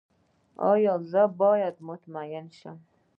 ایا زه باید مطمئن شم؟